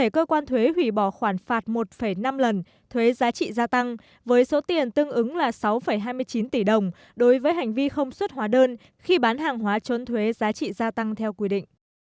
cơ quan thuế hủy bỏ khoản phạt một năm lần thuế giá trị gia tăng với số tiền tương ứng là sáu hai mươi chín tỷ đồng đối với hành vi không xuất hóa đơn khi bán hàng hóa trốn thuế giá trị gia tăng theo quy định